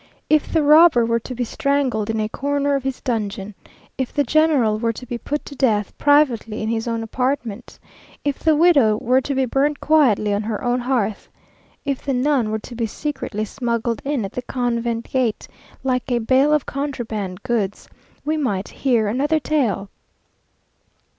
If the robber were to be strangled in a corner of his dungeon; if the general were to be put to death privately in his own apartment; if the widow were to be burnt quietly on her own hearth; if the nun were to be secretly smuggled in at the convent gate like a bale of contraband goods, we might hear another tale.